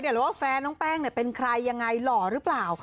หรือว่าแฟนน้องแป้งเป็นใครยังไงหล่อหรือเปล่า